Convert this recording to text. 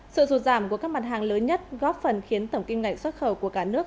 sự rụt giảm của các mặt hàng lớn nhất góp phần khiến tổng kim ngạch xuất khẩu của cả nước